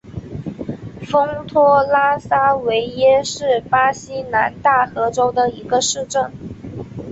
丰托拉沙维耶是巴西南大河州的一个市镇。